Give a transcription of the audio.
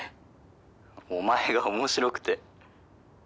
「お前が面白くて」